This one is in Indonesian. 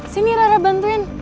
sini rara bantuin